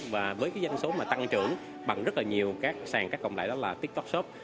và với danh số tăng trưởng bằng rất nhiều các sàn các cộng đại đó là tiktok shop